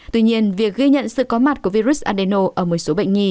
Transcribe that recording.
tuy nhiên việc ghi nhận sự có mặt của virus adeno ở một số bệnh nhi